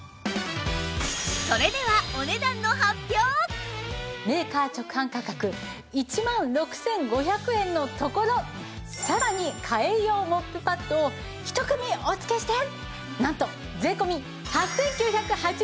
それではメーカー直販価格１万６５００円のところさらに替え用モップパッドを１組お付けしてなんと税込８９８０円です！